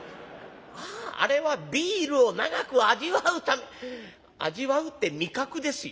「ああれはビールを長く味わうため味わうって味覚ですよ？